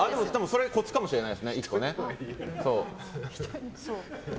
それ、コツかもしれないですね。